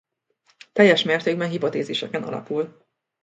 Teljes mértékben hipotéziseken alapul.